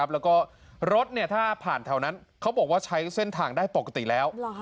แล้วก็รถถ้าผ่านแถวนั้นเขาบอกว่าใช้เส้นทางได้ปกติแล้ว